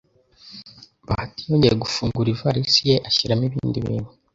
Bahati yongeye gufungura ivalisi ye ashyiramo ibindi bintu